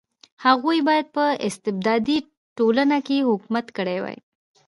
هغوی باید په استبدادي ټولنه کې حکومت کړی وای.